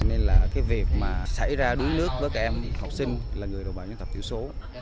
nên việc xảy ra đuối nước với các em học sinh là người đồng bào nhân tập tiểu số